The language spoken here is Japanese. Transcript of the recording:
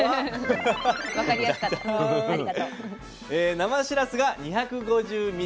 生しらすが２５０ｍｇ。